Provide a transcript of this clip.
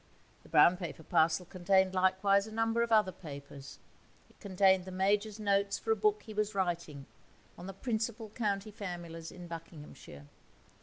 The brown paper parcel contained likewise a number of other papers; it contained the Major's notes for a book he was writing on the principal county families in Buckinghamshire.